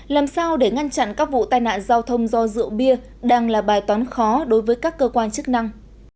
làm sao để ngăn chặn các vụ tai nạn giao thông do rượu bia đang là bài toán khó đối với các cơ quan chức năng